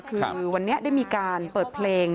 คือวันนี้ได้มีการเปิดเพลง